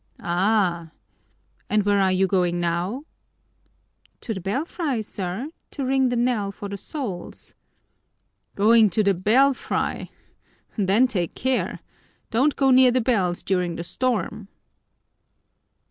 "Ah! And where are you going now?" "To the belfry, sir, to ring the knell for the souls." "Going to the belfry! Then take care! Don't go near the bells during the storm!"